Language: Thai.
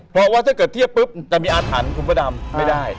เพราะว่าถ้าเกิดเทียบปุ๊บจะมีอาถรรพ์คุณพระดำไม่ได้